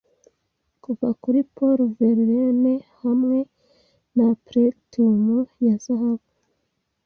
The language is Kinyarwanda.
kuva kuri paul verlaine hamwe na plectrum ya zahabu